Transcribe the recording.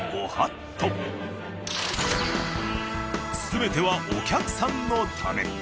全てはお客さんのため。